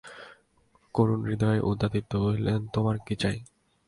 করুণহৃদয় উদয়াদিত্য কহিলেন, তোমার কী চাই?